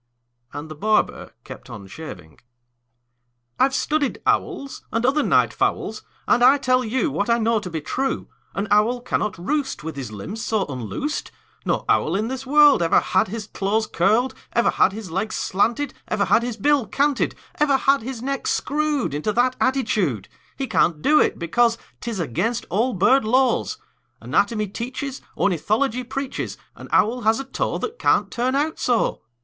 And the barber kept on shaving. "I've studied owls, And other night fowls, And I tell you What I know to be true: An owl cannot roost With his limbs so unloosed; No owl in this world Ever had his claws curled, Ever had his legs slanted, Ever had his bill canted, Ever had his neck screwed Into that attitude. He can't do it, because 'T is against all bird laws. Anatomy teaches, Ornithology preaches An owl has a toe That can't turn out so!